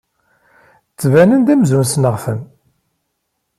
Ttbanen-d amzun ssneɣ-ten.